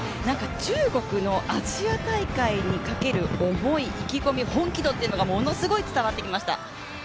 中国のアジア大会にかける思い、意気込み、本気度がものすごい伝わってきました。